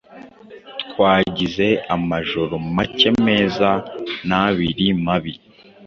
Twagize amajoro make meza na abiri mabi